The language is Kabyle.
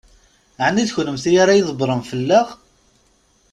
Ɛni d kennemti ara ydebbṛen fell-aɣ?